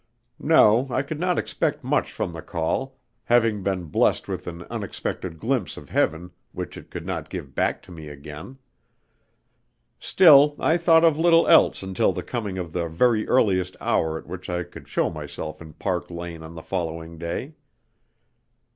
No, I could not expect much from the call, having been blessed with an unexpected glimpse of heaven which it could not give back to me again. Still, I thought of little else until the coming of the very earliest hour at which I could show myself in Park Lane on the following day.